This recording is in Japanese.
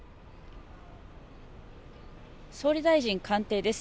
総理大臣官邸です。